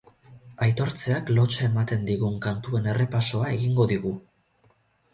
Aitortzeak lotsa ematen digun kantuen errepasoa egingo digu.